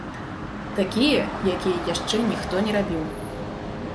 Такія, якія яшчэ ніхто не рабіў!